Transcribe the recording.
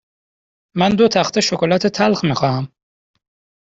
من دو تخته شکلات تلخ می خواهم.